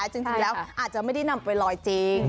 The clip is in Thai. จริงแล้วอาจจะไม่ได้นำไปลอยจริง